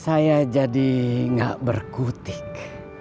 saya jadi gak berkutik